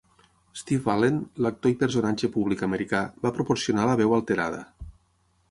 Steve Allen, l'actor i personatge públic americà, va proporcionar la veu alterada.